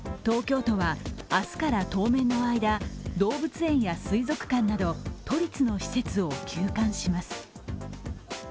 東京都は明日から当面の間、動物園や水族館など都立の施設を休館します。